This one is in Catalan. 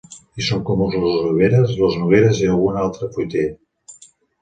Hi són comuns les oliveres, les nogueres i algun altre fruiter.